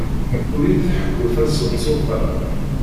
Ur iyi-d-ḥekku taseḍsut-a.